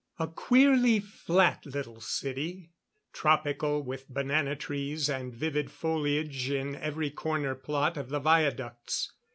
A queerly flat little city tropical with banana trees and vivid foliage in every corner plot of the viaducts.